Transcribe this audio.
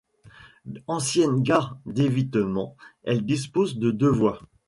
Ancienne gare d'évitement, elle dispose de deux voies.